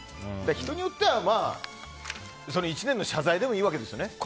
人によっては１年の謝罪でもいいわけですよね。